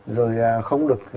rồi không được